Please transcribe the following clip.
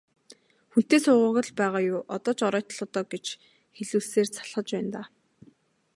Хүнтэй суугаагүй л байгаа юу, одоо ч оройтлоо доо гэж хэлүүлсээр залхаж байна даа.